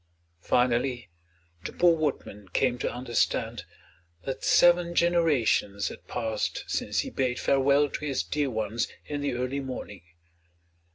Finally, the poor woodman came to understand that seven generations had passed since he bade farewell to his dear ones in the early morning.